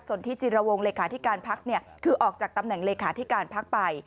สนธิจิรวงร์เลขาที่การพักเนี่ยคือออกจากตำแหน่งเลขาที่การพักไป